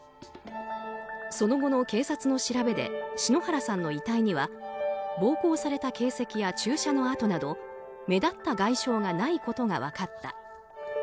その後の警察の調べで篠原さんの遺体には暴行された形跡や注射の痕など目立った外傷がないことが分かった。